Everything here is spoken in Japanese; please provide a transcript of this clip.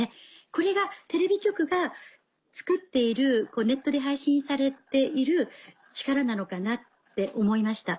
これがテレビ局が作っているネットで配信されている力なのかなって思いました。